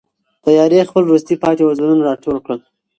تیارې خپل وروستي پاتې وزرونه را ټول کړل.